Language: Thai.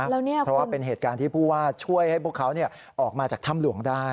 เพราะว่าเป็นเหตุการณ์ที่ผู้ว่าช่วยให้พวกเขาออกมาจากถ้ำหลวงได้